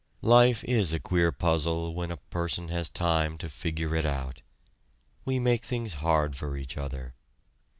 Life is a queer puzzle when a person has time to figure it out. We make things hard for each other.